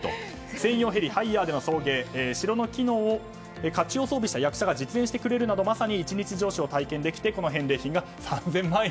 専用ヘリ、ハイヤーでの送迎城の機能を甲冑を装備した役者が実演してくれるなどまさに１日城主を体験できてこの返礼金が３０００万円。